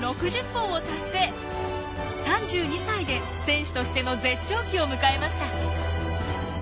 ３２歳で選手としての絶頂期を迎えました。